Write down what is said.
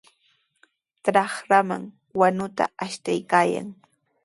Trakraman wanuta ashtaykaayan.